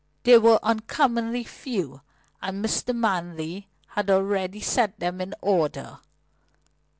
They were uncommonly few, and Mr. Manley had already set them in order.